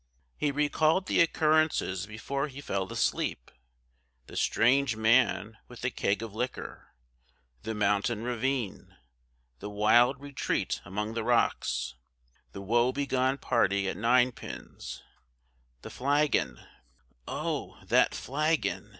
He recalled the occurrences before he fell asleep. The strange man with the keg of liquor the mountain ravine the wild retreat among the rocks the woe begone party at ninepins the flagon "Oh! that flagon!